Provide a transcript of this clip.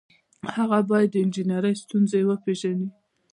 هغه باید د انجنیری ستونزې وپيژني.